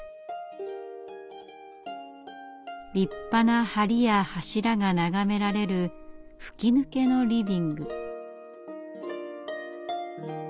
立派な梁や柱が眺められる吹き抜けのリビング。